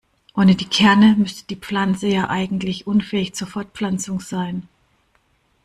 Ohne die Kerne müsste die Pflanze ja eigentlich unfähig zur Fortpflanzung sein.